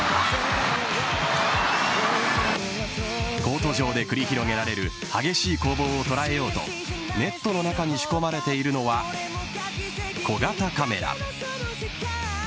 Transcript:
コート上で繰り広げられる激しい攻防を捉えようとネットの中に仕込まれているのは小型カメラ。